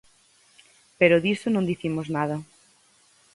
Pero diso non dicimos nada.